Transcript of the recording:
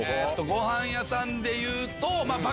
ご飯屋さんでいうと。